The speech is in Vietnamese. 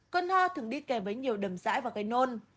cơn hoa thường đi kèm với nhiều đầm dãi và gây nôn